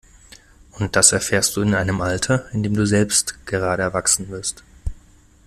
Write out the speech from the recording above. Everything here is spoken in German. Und das erfährst du in einem Alter, in dem du selbst gerade erwachsen wirst.